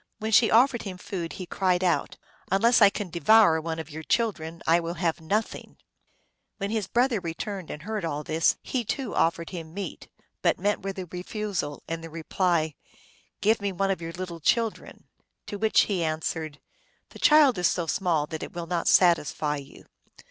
When she offered him food he cried out, " Unless I can devour one of your chil dren I will have nothing !" When his brother returned and heard all this, he, too, offered him meat, but met with a refusal and the reply, " Give me one of your little children." To which he answered, " The child is so small that it will not satisfy you.